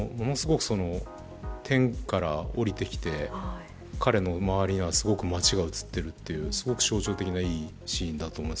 天から降りてきて彼の周りはすごく街が映っているという象徴的ないいシーンだと思います。